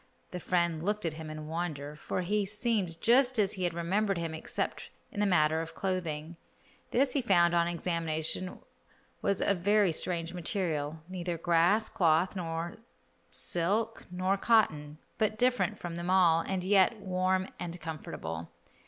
The friend looked at him in wonder, for he seemed just as he had remembered him except in the matter of clothing. This he found on examination was of very strange material, neither grass cloth, silk nor cotton, but different from them all, and yet warm and comfortable.